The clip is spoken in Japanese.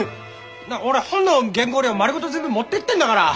俺本の原稿料丸ごと全部持ってってんだから！